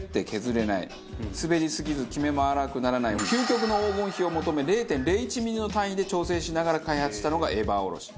滑りすぎずキメも粗くならない究極の黄金比を求め０．０１ミリの単位で調整しながら開発したのがエバーおろし。